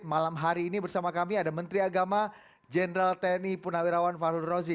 malam hari ini bersama kami ada menteri agama jenderal tni punawirawan fahrul rozi